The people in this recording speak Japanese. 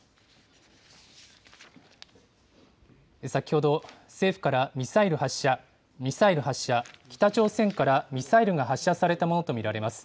先ほど、政府からミサイル発射、ミサイル発射、北朝鮮からミサイルが発射されたものと見られます。